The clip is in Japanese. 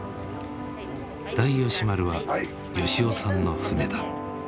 大吉丸は吉男さんの船だ。